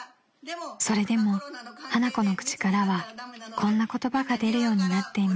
［それでも花子の口からはこんな言葉が出るようになっていました］